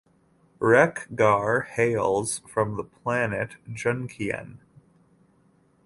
Wreck-Gar hails from the planet Junkion.